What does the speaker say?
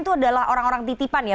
itu adalah orang orang titipan ya